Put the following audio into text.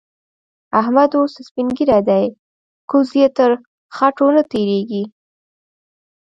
احمد اوس سپين ږير دی؛ ګوز يې تر خوټو نه تېرېږي.